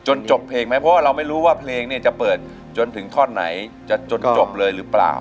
จบเพลงไหมเพราะว่าเราไม่รู้ว่าเพลงเนี่ยจะเปิดจนถึงท่อนไหนจะจนจบเลยหรือเปล่า